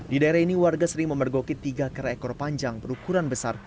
di daerah ini warga sering memergoki tiga kera ekor panjang berukuran besar